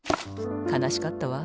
かなしかったわ。